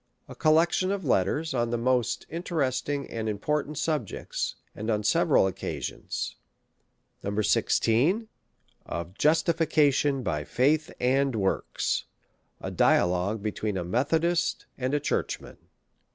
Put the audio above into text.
A Collection of Letters on the most interesting and important Subjects, and on several Occasions. 8vo. 16. Of Justification by Faith and Works ; a Dia logue between a Methodist and a Churchman.